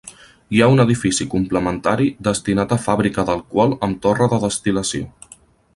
Hi ha un edifici complementari destinat a fàbrica d'alcohol amb torre de destil·lació.